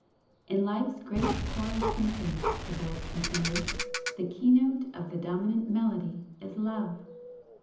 "In Life's great choral symphony" the Voice continued "the keynote of the dominant melody is Love!